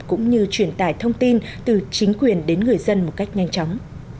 cũng như truyền tải thông tin từ chính quyền đến người dân một cách nhanh chóng